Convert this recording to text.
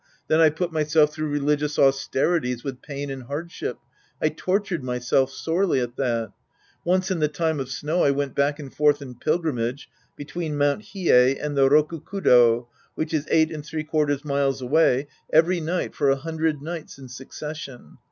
Then I put myself through religious austerities with pain and hardship. I tortured myself sorely at that. Once in the time of snow I went back and forth in pilgrimage between Mt. Hiei and the RokkakudS, which is eight and three quarters miles away, every night for a hundred nights in succes sion.